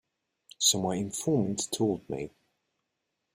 So my informant told me.